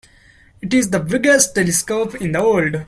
It is the biggest telescope in the world.